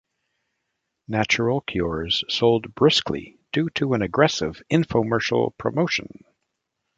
"Natural Cures" sold briskly due to an aggressive infomercial promotion.